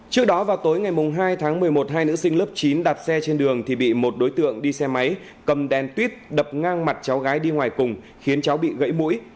trước đó vào tối ngày hai tháng một mươi một hai nữ sinh lớp chín đạp xe trên đường thì bị một đối tượng đi xe máy cầm đèn tuyếp đập ngang mặt cháu gái đi ngoài cùng khiến cháu bị gãy mũi